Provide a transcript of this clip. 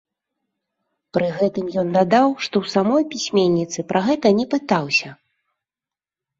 Пры гэтым ён дадаў, што ў самой пісьменніцы пра гэта не пытаўся.